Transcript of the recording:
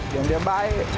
yang lebih baik